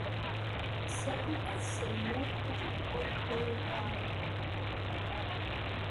Tessaki-d tselmadt annekni-nteɣ.